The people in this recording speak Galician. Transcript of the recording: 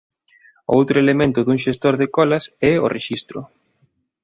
O outro elemento dun xestor de colas é o "rexistro".